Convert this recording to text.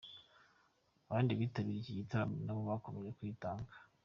Abandi bitabiriye iki gitaramo na bo bakomeje kwitanga.